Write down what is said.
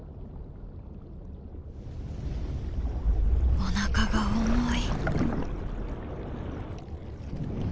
「おなかが重い」。